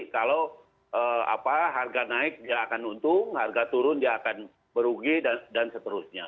kalau harga naik dia akan untung harga turun dia akan berugi dan seterusnya